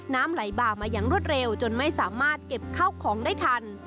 น้ำไหลบ่ามาอย่างรวดเร็วจนไม่สามารถเก็บเข้าของได้ทัน